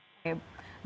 oke baik berarti